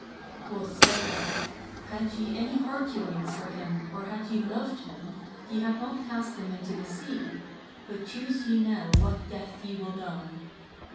Quoth Sa'idah, 'Had ye any heart yearnings for him or had ye loved him, ye had not cast him into the sea; but choose ye now what death ye will die.'